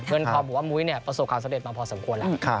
เพื่อนพุธว่ามุ้ยประสบความสำเร็จมาพอสมควร